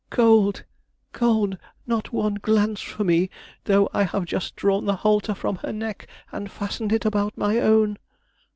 cold, cold; not one glance for me, though I have just drawn the halter from her neck and fastened it about my own!"